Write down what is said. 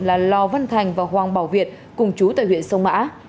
là lò văn thành và hoàng bảo việt cùng chú tại huyện sông mã